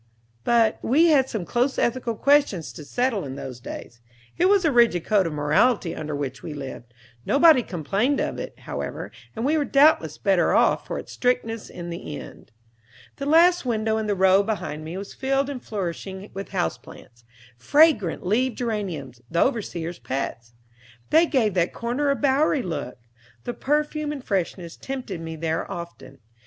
But we had some close ethical questions to settle in those days. It was a rigid code of morality under which we lived. Nobody complained of it, however, and we were doubtless better off for its strictness, in the end. The last window in the row behind me was filled with flourishing house plants fragrant leaved geraniums, the overseer's pets. They gave that corner a bowery look; the perfume and freshness tempted me there often.